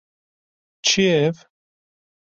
Çi ye ev?